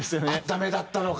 ダメだったのか。